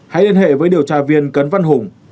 hãy liên hệ với điều tra viên cấn văn hùng